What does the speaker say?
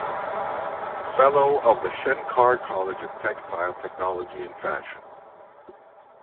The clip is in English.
Fellow of the Shenkar College of Textile Technology and Fashion.